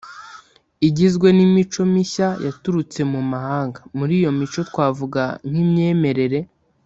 igizwe n’imico mishya yaturutse mu mahanga. muri iyo mico twavuga nk’imyemerere